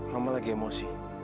mama lagi emosi